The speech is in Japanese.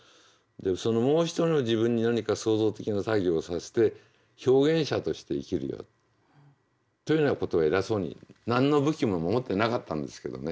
「そのもう一人の自分に何か創造的な作業をさせて表現者として生きるよ」というようなことを偉そうに何の武器も持ってなかったんですけどね